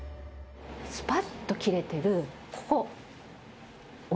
スパッと切れてるここ。